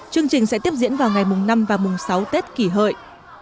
chương trình sẽ tiếp diễn vào ngày năm và sáu tết kỷ hợi